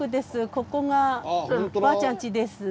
ここがばあちゃんちです。